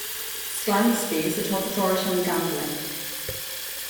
Sklansky is a top authority on gambling.